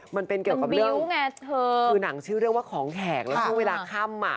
มันเป็นเกี่ยวกับเรื่องคือหนังชื่อเรื่องว่าของแขกแล้วช่วงเวลาค่ำอ่ะ